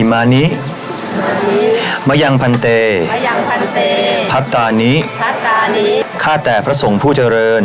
อิมานิมัยังพันเตพัตตานิข้าแต่พระส่งผู้เจริญ